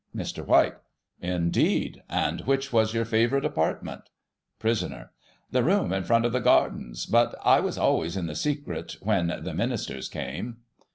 Mr. White: Indeed! And which was your favourite apartment ? Prisoner : The room in front of the gardens ; but I was always in the secret when the Ministers came.